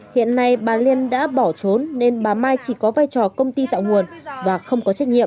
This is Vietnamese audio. hiện nay bà liên đã bỏ trốn nên bà mai chỉ có vai trò công ty tạo nguồn và không có trách nhiệm